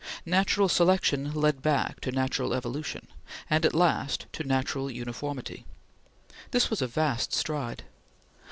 Natural Selection led back to Natural Evolution, and at last to Natural Uniformity. This was a vast stride.